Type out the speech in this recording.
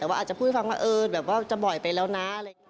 แต่ว่าอาจจะพูดฟังว่าเออแบบว่าจะบ่อยไปแล้วนะ